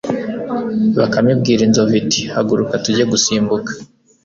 Bakame ibwira inzovu iti Haguruka tujye gusimbuka